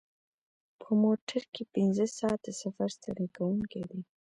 په موټر کې پنځه ساعته سفر ستړی کوونکی دی.